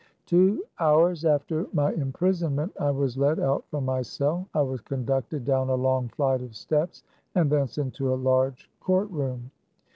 Two hours after my imprisonment I was led out from my cell. I was conducted down a long flight of steps, and thence into a large court room.